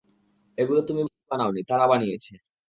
এগুলো তুমি বানাওনি - তারা বানিয়েছে।